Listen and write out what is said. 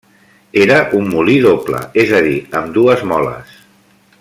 Era un molí doble, és a dir, amb dues moles.